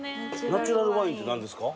ナチュラルワインって何ですか？